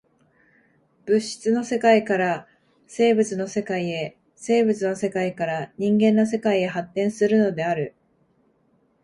物質の世界から生物の世界へ、生物の世界から人間の世界へ発展するのである。